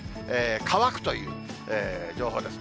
乾くという情報です。